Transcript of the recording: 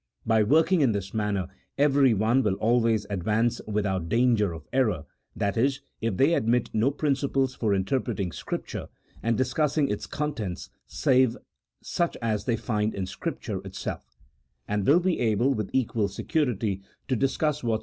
By working in this manner everyone will always advance without danger of error — that is, if they admit no principles for interpreting Scripture, and dis cussing its contents save such as they find in Scripture itself — and will be able with equal security to discuss what 100 A THEOLOGICO POLITICAL TREATISE. [CHAP.